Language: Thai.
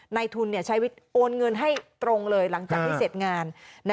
ในทุนใช้โอนเงินให้ตรงเลยหลังจากที่เสร็จงาน